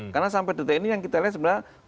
karena sampai detik ini yang kita lihat sebenarnya